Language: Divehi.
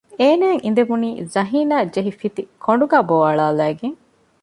އޭނާއަށް އިނދެވުނީ ޒަހީނާ ޖެހި ފިތި ކޮނޑުގައި ބޯއަޅާލައިގެން